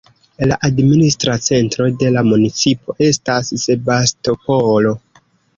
La administra centro de la municipo estas Sebastopolo.